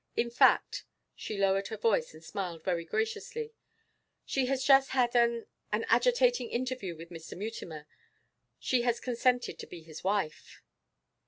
In fact,' she lowered her voice and smiled very graciously, 'she has just had an an agitating interview with Mr. Mutimer she has consented to be his wife.